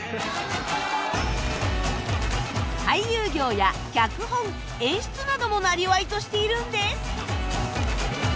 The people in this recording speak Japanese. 俳優業や脚本演出などもなりわいとしているんです